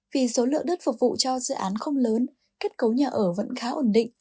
vì số lượng đất phục vụ cho dự án không lớn kết cấu nhà ở vẫn khá ổn định